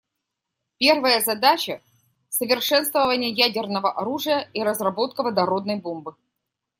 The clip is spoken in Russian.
Первая задача — совершенствование ядерного оружия и разработка водородной бомбы.